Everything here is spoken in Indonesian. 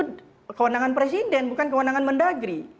pengangkatan plt itu kewenangan presiden bukan kewenangan mendagri